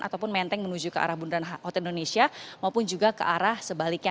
ataupun menteng menuju ke arah bundaran hotel indonesia maupun juga ke arah sebaliknya